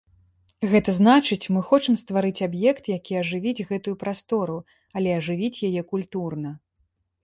Гэта значыць, мы хочам стварыць аб'ект, які ажывіць гэтую прастору, але ажывіць яе культурна.